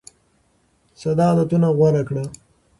ساده عادتونه غوره کړه.